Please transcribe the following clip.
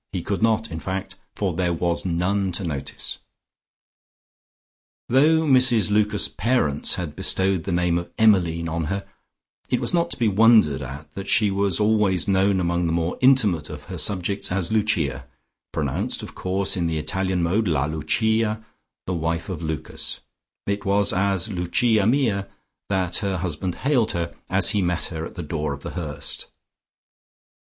He could not in fact, for there was none to notice. Though Mrs Lucas's parents had bestowed the name of Emmeline on her, it was not to be wondered at that she was always known among the more intimate of her subjects as Lucia, pronounced, of course, in the Italian mode La Lucia, the wife of Lucas; and it was as "Lucia mia" that her husband hailed her as he met her at the door of The Hurst.